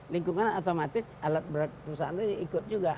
lingkungan otomatis alat berat perusahaan itu ikut juga